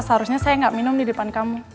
seharusnya saya nggak minum di depan kamu